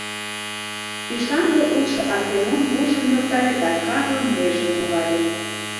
ӱшанле улшо Артемон вуйжым нӧлтале да Карлон нержым нулале.